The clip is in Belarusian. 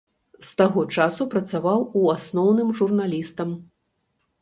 З таго часу працаваў у асноўным журналістам.